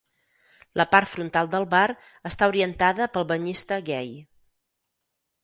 La part frontal del bar està orientada pel banyista gai.